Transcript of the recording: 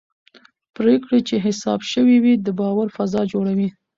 پرېکړې چې حساب شوي وي د باور فضا جوړوي